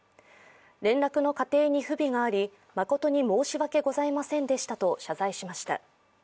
連絡の過程に不備があり誠に申し訳ございませんでしたと謝罪しました。